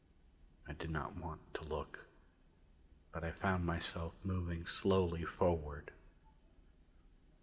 I did not want to look, but I found myself moving slowly forward.